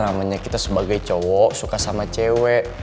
namanya kita sebagai cowok suka sama cewek